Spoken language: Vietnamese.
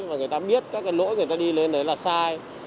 và người ta biết các cái lỗi người ta đi lên đấy là sai